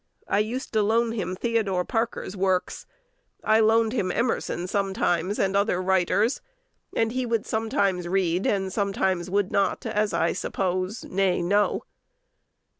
I used to loan him Theodore Parker's works: I loaned him Emerson sometimes, and other writers; and he would sometimes read, and sometimes would not, as I suppose, nay, know.